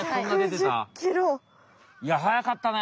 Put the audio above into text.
いやはやかったね。